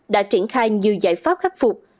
đã triển khai nhiều giải pháp khắc phục